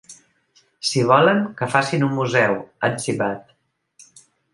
Si volen, que facin un museu, ha etzibat.